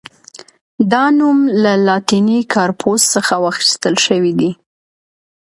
دا نوم له لاتیني «کارپوس» څخه اخیستل شوی دی.